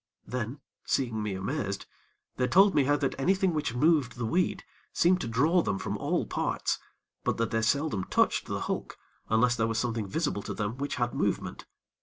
Then, seeing me amazed, they told me how that anything which moved the weed seemed to draw them from all parts; but that they seldom touched the hulk unless there was something visible to them which had movement.